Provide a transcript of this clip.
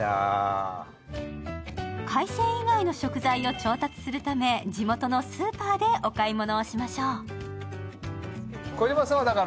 海鮮以外の食材を調達するため、地元のスーパーでお買い物しましょう。